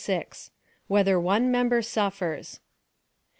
26. Whether one member suffers.